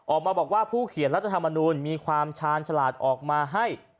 ออกมาบอกว่าผู้เขียนรัฐธรรมนูลมีความชาญฉลาดออกมาให้